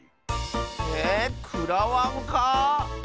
えくらわんか？